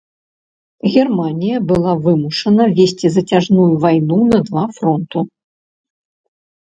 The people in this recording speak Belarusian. Германія была вымушана весці зацяжную вайну на два фронту.